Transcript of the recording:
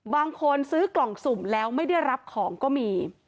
บางคนซื้อกล่องสุ่มแล้วไม่ได้รับของก็มี